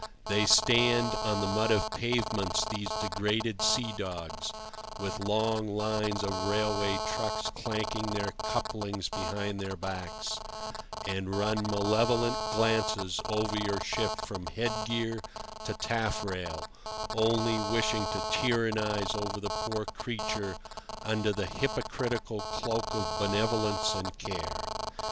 They stand on the mud of pavements, these degraded sea dogs, with long lines of railway trucks clanking their couplings behind their backs, and run malevolent glances over your ship from headgear to taffrail, only wishing to tyrannize over the poor creature under the hypocritical cloak of benevolence and care.